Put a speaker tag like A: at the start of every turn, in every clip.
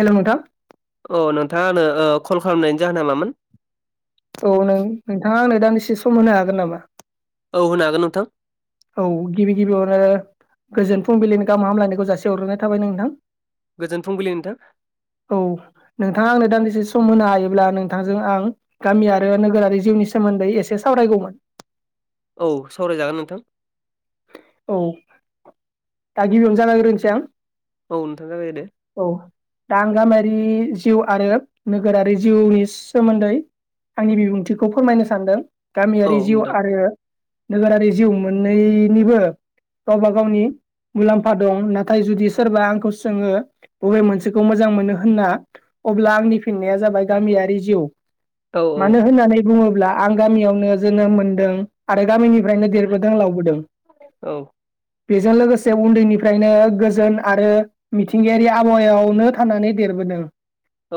A: Hello नोंथां
B: औ नोंथाङा आंनो कल खालामनायनि जाहोना मामोन,
A: औ नों नोंथाङा एसे सम होनो हागोन नामा
B: औ होनो हागोन नोंथां
A: औ गिबि गिबियावनो गोजोन फुंबिलिनि गाहाम हामलायनायखौ जासि हरग्रोनाय थाबाय नोंथां
B: गोजोन फुंबिलि नोंथां
A: औ नोंथाङा आंनो दान्दिसे सम होनो हायोब्ला नोंथांजों आं गामि आरो नोगोरारि जिउनि सोमोन्दै एसे सावरायगौमोन [inaudible]
B: औ सावरायजागोन नोंथां
A: औ दा गिबियावनो जागायग्रोनोसै आं
B: औ नोंथां जागायदो
A: औ दा आं गामियारि जिउ आरो नोगोरारि जिउनि सोमोन्दै आंनि बिबुंथिखौ फोरमायनो सानदों
B: औ
A: गामियारि जिउ
B: नोंथां
A: आरो नोगोरारि जिउ मोननैनिबो गावबा गावनि मुलाम्फा दं नाथाय जुदि सोरबा आंखौ सोङो बबे मोनसेखौ मोजां मोनो होनना अब्ला आंनि फिननाया जाबाय गामियारि जिउ
B: औ
A: मानो होननानै बुङो ब्ला आं गामियावनो जोनोम मोनदों आरो गामिनिफ्रायनो देरबोदों लावबोदों।
B: औ
A: बेजों लोगोसे उन्दैनिफ्रायनो गोजोन आरो मिथिंगायारि आबहावायावनो थानानै देरबोदों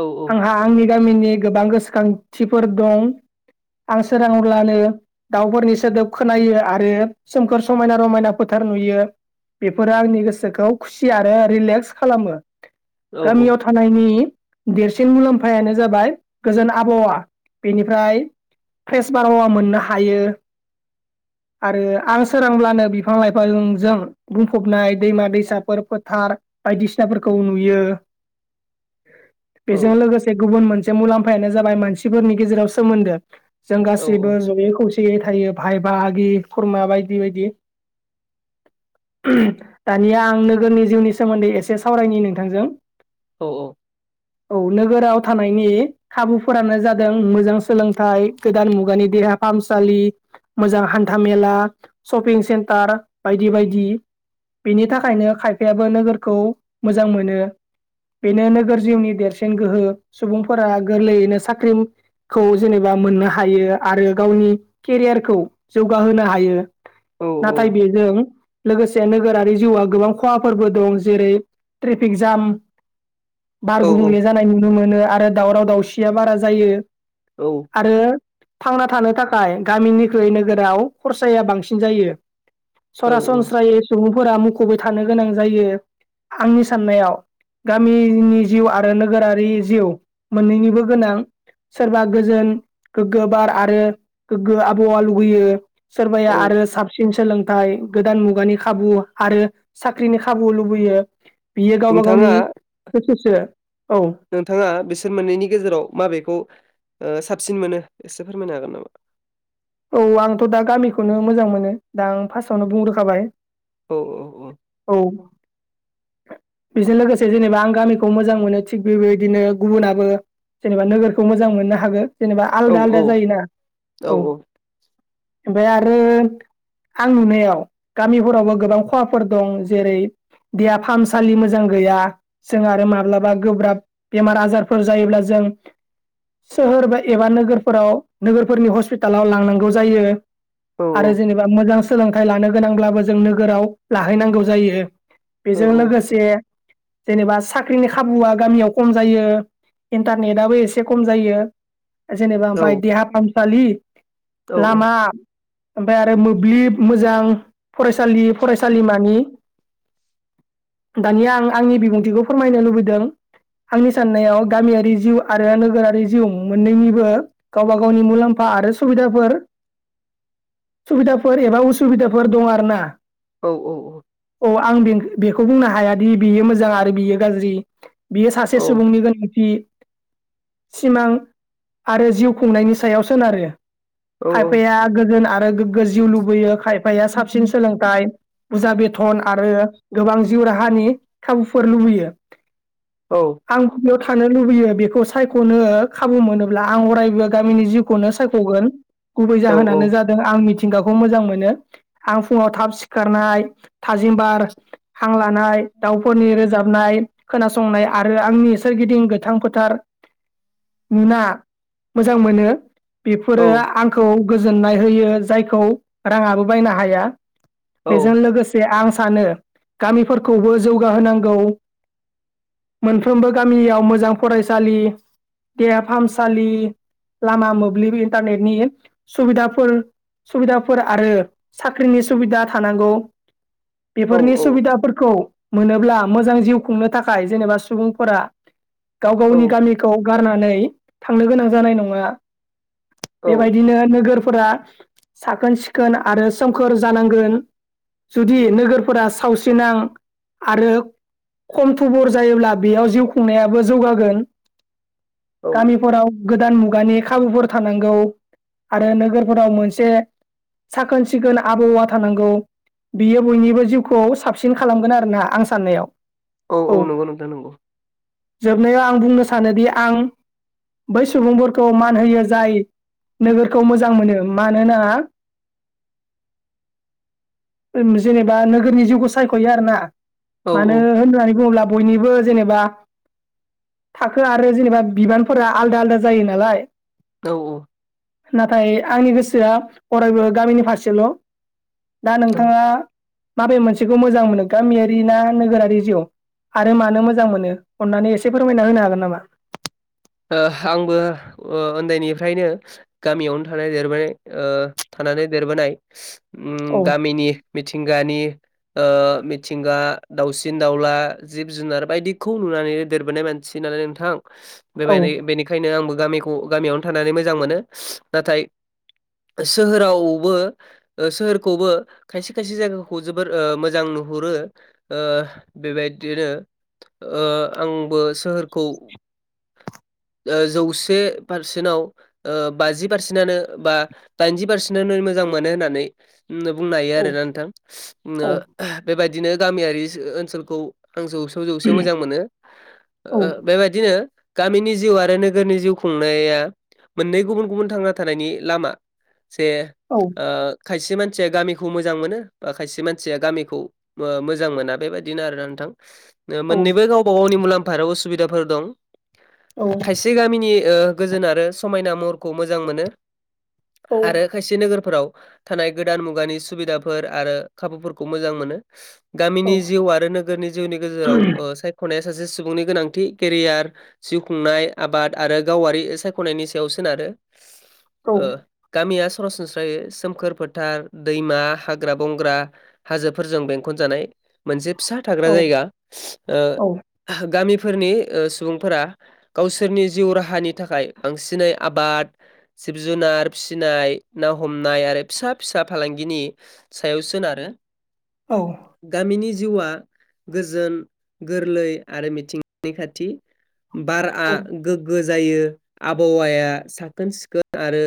B: औ
A: आंहा आंनि गामिनि गोबां गोसोखांथिफोर दं। आं सोराङोब्लानो दाउफोरनि सोदोब खोनायो आरो सोमखोर समायना रमायना फोथार नुयो बेफोरो आंनि गोसोखौ खुसि आरो रिलेक्स खालामो।
B: औ
A: गामियाव थानायनि देरसिन मुलाम्फायानो जाबाय गोजोन आबहावा बेनिफ्राय फ्रेस बारहावा मोननो हायो आरो आं सोरांब्लानो बिफां लाइफांजों बुंफबनाय दैमा दैसाफोर फोथार बायदिसिनाफोरखौ नुयो बेजों लोगोसे गुबुन मोनसे मुलाम्फायानो जाबाय मानसिफोरनि गेजेराव सोमोन्दो जों
B: औ
A: गासैबो ज'यै खौसेयै थायो भाय बागि खुरमा बायदि बायदि। दानिया आं नोगोरनि जिउनि सोमोन्दै एसे सावरायनि नोंथांजों
B: औ औ
A: औ नोगोराव थानायनि खाबुफोरानो जादों मोजां सोलोंथाइ गोदान मुगानि देहा फाहामसालि सपिं सेन्टार बायदि बायदि। बेनि थाखायनो खायफायाबो नोगोरखौ मोजां मोनो। बेनो नोगोर जिउनि देरसिन गोहो सुबुंफोरा गोरलैयैनो साख्रिखौ जेनेबा मोननो हायो आरो गावनि केरियारखौ जौगाहोनो हायो। नाथाय बेजों लोगोसे से नोगोरारि जिउआ गोबां खहाफोरबो दं जेरै ट्रेफिक जाम बार गुबुंले जानाय नुनो मोनो आरो दावराव दावसिया बारा जायो आरो थांना थानो थाखाय गामिनिख्रुइ नोगोराव खरसाया बांसिन सिन जायो
B: औ
A: सरासनस्रायै सुबुंफोरा मुखुबबो थानो गोनां जायो। आंनि साननायाव गामिनि जिउ आरो नोगोरारि जिउ मोननैनिबो गोनां सोरबा गोजोन गोग्गो बार आरो गोग्गो आबहावा लुबैयो सोरबाया
B: औ
A: आरो साबसिन सोलोंथाइ गोदान मुगानि खाबु आरो साख्रिनि खाबु लुबैयो बियो गावबा गावनि
B: नोंथाङा
A: गोसो सो।
B: नोंथाङा बिसोर मोननैनि गेजेराव माबेखौ ओ साबसिन मोनो एसे फोरमायनो हागोन नामा।
A: औ आंथ' दा गामिखौनो मोजां मोनो दा आं फार्स्टआवनो बुंग्रोखाबाय
B: औ औ औ
A: बेजों लोगोसे जेनेबा आं गामिखौ मोजां मोनो थिग बेबायदिनो गुबुनाबो जेनेबा नोगोरखौ मोजां मोननो हागोन जेनेबा
B: औ
A: आलदा
B: औ
A: आलदा जायोना औ। ओमफ्राय आरो आं नुनायाव गामिफोरावबो गोबां खहाफोर दं जेरै देहा फाहामसालि मोजां गैया जों आरो माब्लाबा गोब्राब बेमार आजारफोर जायोब्ला जों सोहोर बा एबा नोगोरफोराव नोगोरफोरनि हस्पि लाव लांनांगौ जायो
B: औ
A: आरो जेनेबा मोजां सोलोंथाइ लानो गोनांब्लाबो जों नोगोराव लाहैनांगौ जायो
B: औ
A: बेजों
B: औ
A: लोगोसे जेनेबा साख्रिनि खाबुआ गामियाव खम जायो इन्टारनेटआबो एसे खम जायो। जेनेबा ओमफ्राय देहा फाहामसालि लामा ओमफ्राय आरो मोब्लिब मोजां फरायसालि फरायसालिमानि दानिया आं आंनि बिबुंथिखौ फोरमायनो लुबैदों आंनि साननायाव गामियारि जिउ आरो नोगोरारि जिउ मोननैनिबो गावबा गावनि मुलाम्फा आरो सुबिफोर सुबिदाफोर एबा उसुबिदाफोर दं आर ना
B: औ औ औ
A: औ आं बिं बेखौ बुंनो हायादि बेयो मोजां आरो बेयो गाज्रि बियो सासे सुबुंनि गोनांथि सिमां आरो जिउ खुंनायनि सायाव सोनारो खायफाया गोजोन आरो गोग्गो जिउ लुबैयो खायफाया बाया साबसिन सोलोंथाइ बुजा बेथन आरो गोबां जिउ राहानि खाबुफोर लुबैयो आं बेयाव थानो लुबैयो बेखौ सायख'नो खाबु मोनोब्ला आं अरायबो गामिनि जिउखौनो सायख'गोन गुबै
B: औ औ
A: जाहोनानो जादों आं मिथि थिंगाखौ मोजां मोनो आं फुङाव थाब सिखारनाय थाजिमबार हा हां लानाय दाउफोरनि रोजाबनाय खोनासंनाय आरो आंनि सोरगिदिं गोथां फोथार नुना मोजां मोनो बेफोरो
B: औ
A: आंखौ गोजोननाय होयो जायखौ राङाबो बायनो हाया बेजों
B: औ
A: लोगोसे आं सानो गामिफोरखौबो जौगाहोनांगौ मोनफ्रोमबो गामियाव मोजां फरायसालि देहा फाहामसालि लामा मोब्लिब इन्टारनेटनि सुबिदाफोर सुबिदाफोर आरो साख्रिनि सुबिदा थानांगौ
B: औ
A: बेफोरनि सुबिदाफोरखौ मोनोब्ला मोजां जिउ खुंनो थाखाय जेनेबा सुबुंफोरा गाव
B: औ
A: गावनि गामिखौ गा खानानै थांनो गोनां जानाय नङा
B: औ
A: बेबायदिनो नोगोर फोरा साखोन सिखोन आरो सोमखोर जानांगोन जुदि नोगोरफोरा सावस्रिनां आरो खम थुबुर जायोब्ला बेयाव जिउ खुंनायाबो जौगागोन
B: औ
A: गामिफोराव गोदान मुगानि खाबुफोर थानांगौ आरो नोगोरफोराव मोनसे साखोन सिखोन आबहावा थानांगौ बियो बयनिबो जिउखौ साबसिन खालामगोन आरो ना आं साननायाव
B: औ औ नंगौ नोंथां नंगौ।
A: जोबनायाव आं बुंनो सानोदि आं बै सुबुंफोरखौ मा मान होयो जाय नोगोरखौ मोजां मोनो मानोना उम जेनेबा नोगोरनि जिउखौ सायख'यो आरो ना
B: औ
A: मानो होननानै बुङोब्ला बयनिबो जेनेबा थाखो आरो जेनेबा बिबानफोरा आलदा आलदा जायो नालाय
B: औ औ
A: नाथाय आंनि गोसोआ अरायबो गामिनि फारसेल' दा नोंथाङा
B: ओ
A: माबे मोनसेखौ मोजां मोनो गामियारि ना नोगोरारि जिउ? आरो मानो मोजां मोनो अननानै एसे फोरमायना होनो हागोन नामा?
B: ओ आंबो ओ उन्दैनिफ्रायनो गामियावनो थानाय देरबाय ओ थानानै देरबोनाय स उम
A: औ
B: गामिनि मिथिंगानि ओ मिथिंगा दाउसिन दाउला जिब जुनार बायदिखौ नुनानै देरबोनाय म मानसि नालाय नोंथां
A: औ
B: बेबाइनि बेनिखनो आंबो गामिखौ गामियावनो थानानै मोजां मोनो नाथाय सोहोरावबो ओ सोहोरखौबो खायसे खायसे जायगाखौ जोबोर ओ मोजां नुहुरो ओ बेबायदिनो ओ आंबो सोहोरखौ
A: [inaudible]
B: ओ जौसे पारसेन्टाव बाजि पारसेन्टनो बा दाइनजि पारसेन्टनो मोजां मोनो होननानै होननो बुंनो हायो
A: औ
B: आरोना नोंथां ओमनो
A: औ
B: बेबायदिनो गामियारि ओनसोलखौ आं जौसे जौसे मोजां मोनो
A: औ
B: ओ बेबायदिनो गामिनि जिउ आरो नोगोरनि जिउ खुंनाया मोननै गुबुन गुबुन थांना थानायनि लामा से
A: औ
B: ओ खायसे मानसिया गामिखौ मोजां मोनो बा खायसे मानसिया गामिखौ ओ मोजां मोना बेबायदिनो आरोना नोंथां। मोन्नैबो गावबा गावनि मुलाम्फा आरो उसुबिदाफोर दं
A: औ
B: खायसे गामिनि ओ गोजोन आरो समायना महरखौ मोजां मोनो
A: औ
B: आरो खायसे नोगोरफोराव थानाय गोदान मुगानि सुबिदाफोर आरो खाबुफोरखौ मोजां मोनो। गामिनि जिउ आरो नोगोरनि जिउनि गेजेराव ओ सायखनाया सासे सुबुंनि गोनांथि केरियार जिउ खुंनाय आबाद आरो गावारि सायखनायनि सायाव सोनारो। ओ गामिया स सरासनस्रायै सोमखोर फोथार दैमा हाग्रा बंग्रा हाजोफोरजों बेंखनजानाय। मोनसे फिसा थाग्रा
A: औ
B: जायगा ओ
A: औ
B: गामिफोरनि ओ सुबुंफोरा गावसोरनि जिउ राहानि थाखाय बांसिनै आबाद जिब जुनार फिसिनाय ना हमनाय आरो फिसा फिसा फालांगिनि सायाव सोनारो। गामिनि जिउआ गोजोन गोरलै आरो मिथिंगानि खाथि बारआ गोगो जायो आबहावाया साखोन सिखोन आरो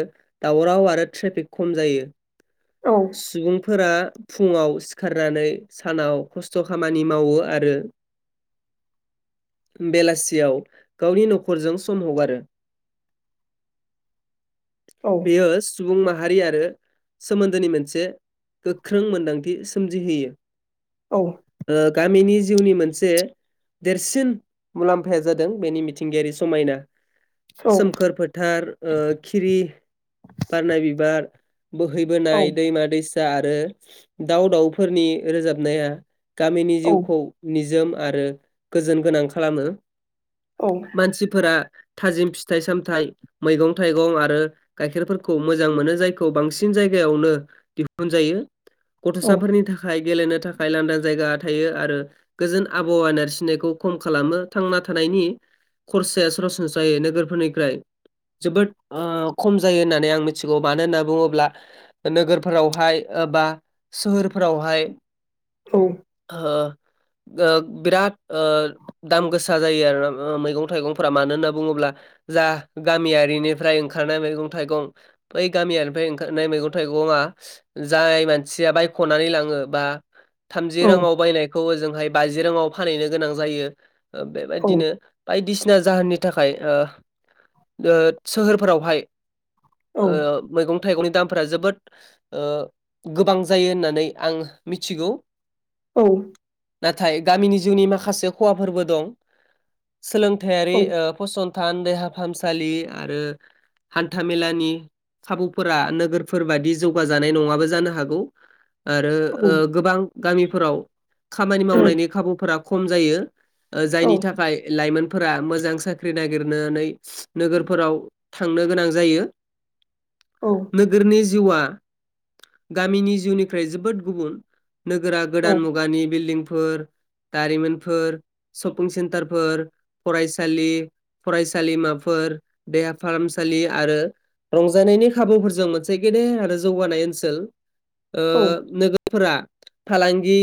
B: दावराव आरो ट्रेफिक खम जायो। सुबुंफोरा फुङाव सिखारनानै सानाव खस्थ खामानि मावो आरो बेलासियाव गावनि नखरजों सम हगारो।
A: [inaudible]
B: बेयो सुबुं माहारि आरो सोमोन्दो दोनि मोनसे गोख्रों मोन्दांथि सोमजिहोयो।
A: औ
B: ओ गामिनि जिउनि मोनसे देरसिन मुलाम्फाया जादों बेनि मिथिंगायारि समायना।
A: औ
B: सोमखोर फोथार खिरि बारनाय बिबार बोहैबोनाय
A: औ
B: दैमा दैसा आरो दाउ दाउफोरनि रोजाबनाया गामिनि जिउखौ निजोम आरो गोजोन गोनां खालामो। मानसिफोरा थाजिम फिथाइ सामथाइ मैगं थाइगं आरो गाइखेरफोरखौ मोजां मोनो जायखौ बांसिन जाय यगायावनो दिहुन जायो गथ'साफोरनि थाखाय गेलेनो थाखाय लांदां जायगा थायो आरो गोजोन आबहावा नारसिननायखौ खम खालामो थांना थानायनि खरसाया सरासनस्रायै नोगोरफोरनिफ्राय जोबोद ओ खम जायो होननानै आं मिथिगौ मानो होनना बुङोब्ला नोगोरफोरावहाय ओ बा सोहोरफोरावहाय
A: औ
B: ओ ओ बिराद ओ दाम गोसा जायो आरोना मैगं थाइगंफोरा मानो होनना बुङोब्ला जा गामियारिनिफ्राय ओंखारनाय मैगं थाइगं बै गामियारिनिफ्राय ओंखारनाय मैगं थाइगंआ जाय मानसिया बायखनानै लाङो बा थामजि राङाव बायनाय खौ ओजोंहाय बाजि रांआव फानहैनो गोनां जायो बेबायदिनो बायदिसि सिना जाहोननि थाखाय ओ ओ सोहोरफोरावहाय ओ मैगं थाइगंनि दाम फोरा जोबोद गोबां जायो होननानै आं मिथिगौ
A: औ
B: नाथाय गामिनि जिउनि माखासे खहाफोरबो दं सोलोंथायारि
A: औ
B: ओ फसं थान देहा फाहामसालि आरो हान्था मेलानि खाबुफोरा नोगोर फोरबादि जौगाजानाय नंङाबो जानो हागौ आरो
A: औ
B: गोबां गामिफोराव खामानि
A: औ
B: मावनायनि खाबुफोरा खम जायो ओ जायनि थाखाय लाइमोन फोर मोजां साख्रि नागिरनानै नोगोरफोराव थांनो गोनां जायो
A: औ
B: नोगोरनि जिउआ गामिनि जिउनिफ्राय जोबोद गुबुन नोगोरा गोदान मुगानि बिलदिंफोर दारिमिनफोर शपिं सेन्टारफोर फरायसालि फरायसालिमाफोर देहा फाहामसालि आरो रंजानायनि खाबुफोरजों मोनसे गेदेर आरो जौगानाय ओनसोल ओ नोगो फोरा फालांगि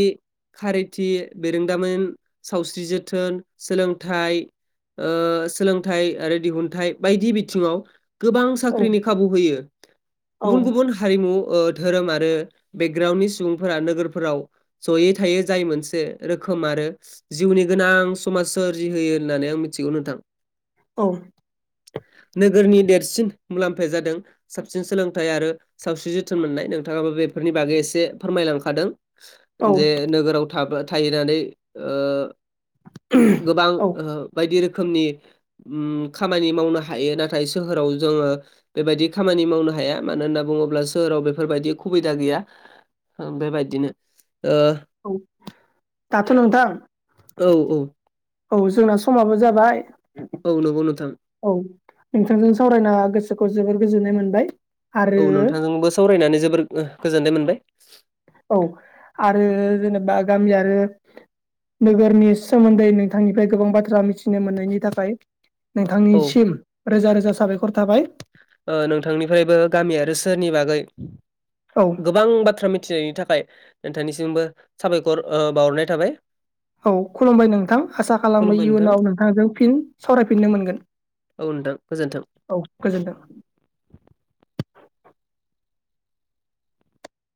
B: खारैथि बेरोंदामोन सावस्रि जोथोन सोलोंथाइओ सोलोंथाइ आरो दिहुनथाइ बायदि बिथिंङाव गोबां
A: औ
B: साख्रिनि खाबु होयो
A: औ
B: गुबुन-गुबुन हारिमु ओ‌ धोरोम आरो बेकग्राउडनि सुबुंफोरा नोगोरफोराव जयै थायो जाय मोनसे रोख खोम आरो जिउनि गोनां समाज सोरजिहोयो होननानै आं मिथिगौ नोंथां
A: औ
B: नोगोरनि देरसिन मुलाम्फाया जादों साबसिन सोलों थाय आरो सावस्रि जोथोन मोन्नाय नोंथांङाबो बेफोरनि बागै एसे फोरमायलांखादों जे नोगोराव थाबो थाहैनानै ओ गोबां
A: औ
B: ओ बायदि रोख खोमनि खामानि मावनो हायो नाथाय सोहोराव जोंङो बेबायदि खामानि मावनो हाया मानो होनना बुंङोब्ला सोहोराव बेफोरबायदि खुबिदा गैया बेबायदिनो
A: औ दाथ नोंथां
B: औ औ
A: औ जोंना समाबो जाबाय
B: औ नंगौ नोंथां
A: औ नोंथांजों सावरायना गोसोखौ जोबोर गोजोननाय मोनबाय आरो
B: औ नोंथांजोंबो सावरायनानै जोबोर गोजोननाय मोनबाय
A: औ आरो जेनेबा गामिया आरो नोगोरनि सोमोन्दै नोंथांनिफ्राय गोबां बाथ्रा मिथिनो मोननायनि थाखाय
B: औ
A: नोंथांनिसिम रोजा-रोजा साबायखर थाबाय
B: ओ नोंथांनिफ्रायबो गामि आरो सोहोरनि बागै
A: औ
B: गोबां बाथ्रा मिथिनायनि थाखाय नोंथांनिसिमबो साबायखर ओ बावहरनाय थाबाय
A: औ खुलुमबाय नोंथां आसा खालामो
B: खुलुमबाय नोंथां
A: इयुनाव नोंथांजों फिन सावरायफिननो मोनगोन
B: औ नोंथां गोजोन्थों।
A: औ गोजोनथों